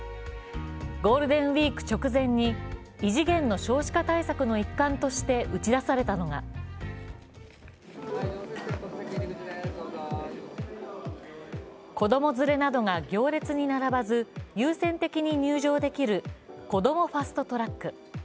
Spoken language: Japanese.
ゴールデンウイーク直前に異次元の少子化対策の一環として打ち出されたのが、子供連れなどが行列に並ばず優先的に入場できるこどもファスト・トラック。